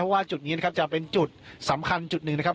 ว่าจุดนี้นะครับจะเป็นจุดสำคัญจุดหนึ่งนะครับ